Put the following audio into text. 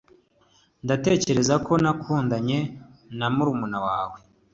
ndatekereza ko nakundanye na murumuna wawe